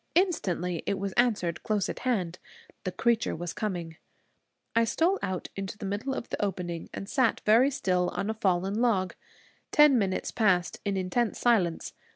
Instantly it was answered close at hand. The creature was coming. I stole out into the middle of the opening, and sat very still on a fallen log. Ten minutes passed in intense silence.